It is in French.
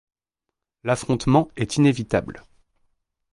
L'affrontement est inévitable.